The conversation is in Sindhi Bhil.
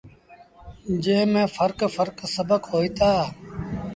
جݩهݩ ميݩ ڦرڪ ڦرڪ سبڪ هوئيٚتآ۔